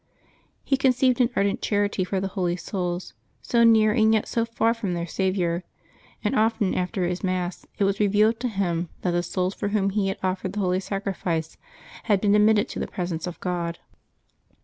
" He conceived an ardent charity for the Holy Souls, so near and yet so far from their Saviour; and often after his Mass it was revealed to him that the souls for whom he had offered the Holy Sacrifice had been admitted to the presence of God.